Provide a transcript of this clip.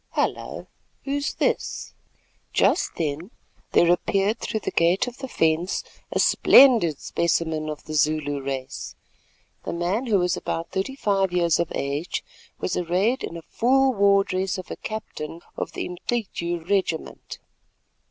Hullo! who's this?" Just then there appeared through the gate of the fence a splendid specimen of the Zulu race. The man, who was about thirty five years of age, was arrayed in a full war dress of a captain of the Umcityu regiment.